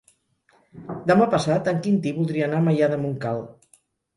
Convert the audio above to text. Demà passat en Quintí voldria anar a Maià de Montcal.